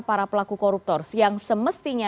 para pelaku koruptor yang semestinya